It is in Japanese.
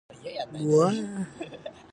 少年よ神話になれ